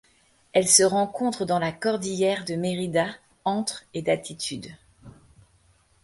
Elle se rencontre dans la cordillère de Mérida, entre et d'altitude.